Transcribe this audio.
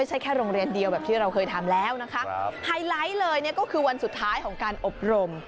ไฮไลท์เลยก็คือวันสุดท้ายของการอบรม